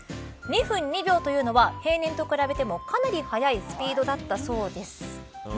２分２秒というのは平年と比べてもかなり速いスピードだったそうです。